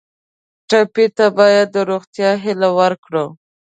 ټپي ته باید د روغتیا هیله ورکړو.